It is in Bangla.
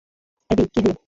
অ্যাবি, কী হলো?